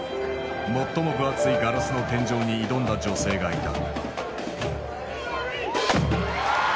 最も分厚いガラスの天井に挑んだ女性がいた。